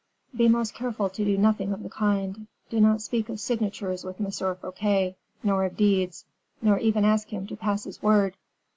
"Be most careful to do nothing of the kind; do not speak of signatures with M. Fouquet, nor of deeds, nor even ask him to pass his word.